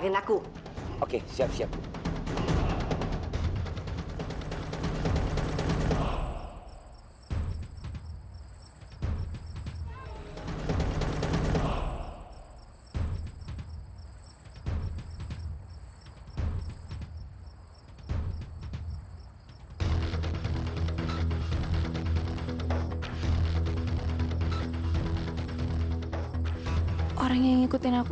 kamu kehilangan jejak